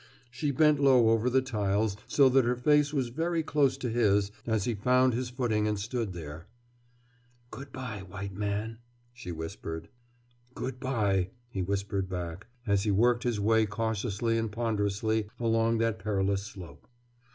She bent low over the tiles, so that her face was very close to his as he found his footing and stood there. "Good by, white man," she whispered. "Good by!" he whispered back, as he worked his way cautiously and ponderously along that perilous slope.